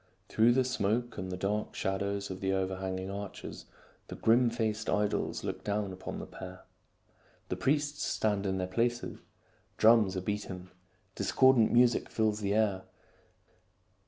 Through the smoke and the dark shadows of the overhang ing arches, the grim faced idols look down upon the pair. The priests stand in their places. Drums are beaten. Discordant music fills the air.